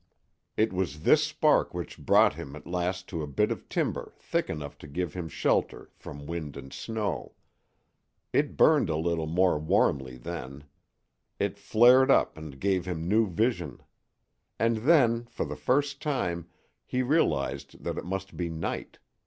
It was this spark which brought him at last to a bit of timber thick enough to give him shelter from wind and snow. It burned a little more warmly then. It flared up and gave him new vision. And then, for the first time, he realized that it must be night.